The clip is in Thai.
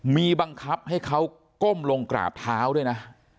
มีบังคับให้เขาก้มลงกราบเท้าด้วยนะ